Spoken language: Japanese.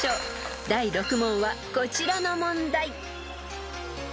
［第６問はこちらの問題］